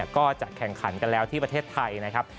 ก็จะแข่งขันกันแล้วที่ประเทศไทยนะครับ